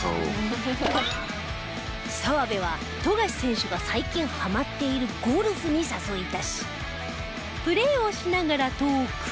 澤部は富樫選手が最近ハマっているゴルフに誘い出しプレーをしながらトーク。